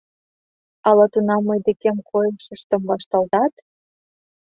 Ала тунам мый декем койышыштым вашталтат?